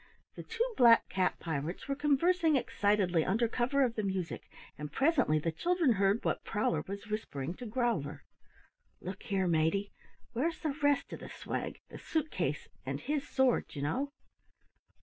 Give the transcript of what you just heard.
The two black cat pirates were conversing excitedly under cover of the music, and presently the children heard what Prowler was whispering to Growler: "Look here, Matey, where's the rest of the swag, the suit case and his sword, you know?"